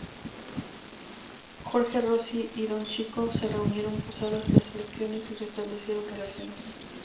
Jorge Rossi y don Chico se reunieron pasadas las elecciones y restablecieron relaciones.